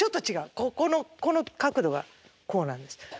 ここのこの角度がこうなんです。